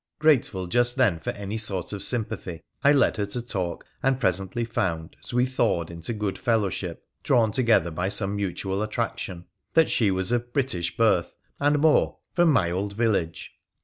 Grateful just then for any sort of sympathy, I led her to talk, and presently found, as we thawed into good fellowship, drawn together by some mutual attraction, that she was of British birth, and more — from my old village